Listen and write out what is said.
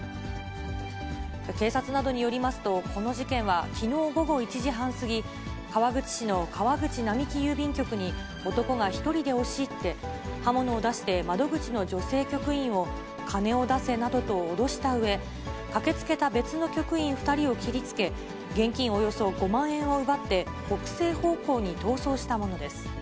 警察などによりますと、この事件はきのう午後１時半過ぎ、川口市の川口並木郵便局に男が１人で押し入って、刃物を出して、窓口の女性局員を金を出せなどと脅したうえ、駆けつけた別の局員２人を切りつけ、現金およそ５万円を奪って、北西方向に逃走したものです。